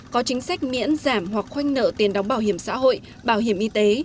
có chính sách miễn giảm hoặc khoanh nợ tiền đóng bảo hiểm xã hội bảo hiểm y tế